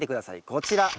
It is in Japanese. こちら。